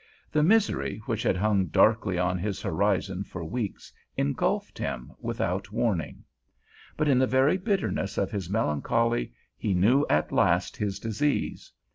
The "misery" which had hung darkly on his horizon for weeks engulfed him without warning. But in the very bitterness of his melancholy he knew at last his disease.